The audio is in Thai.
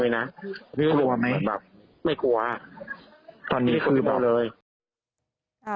ไม่กลัวหรือามั้ยพี่จะรู้เลย